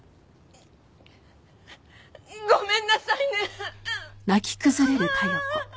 ごめんなさいね！